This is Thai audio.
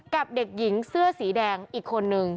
กับเด็กหญิงเสื้อสีแดงอีกคนนึง